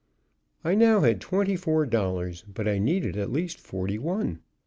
I now had twenty four dollars, but I needed at least forty one.